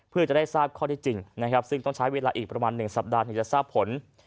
เพื่อจะได้ทราบข้อที่จริงนะครับซึ่งต้องใช้เวลาอีกประมาณ๑สัปดาห์ถึงจะทราบผล